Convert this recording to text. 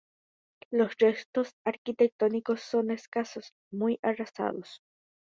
Los restos arquitectónicos son escasos, muy arrasados.